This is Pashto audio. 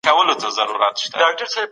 د سهار په وږمه کې د زعفرانو بوی خپرېږي.